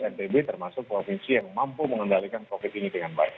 ntb termasuk provinsi yang mampu mengendalikan covid ini dengan baik